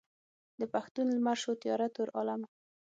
د پښتون لمر شو تیاره تور عالمه.